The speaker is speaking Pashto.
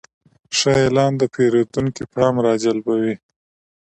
ښه اعلان د پیرودونکي پام راجلبوي.